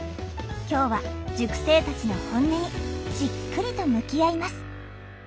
今日は塾生たちの本音にじっくりと向き合います。